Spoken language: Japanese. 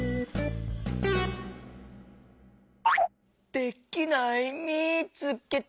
できないみつけた。